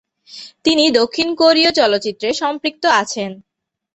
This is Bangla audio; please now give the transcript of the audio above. তিনি দক্ষিণ কোরীয় চলচ্চিত্রে সম্পৃক্ত আছেন।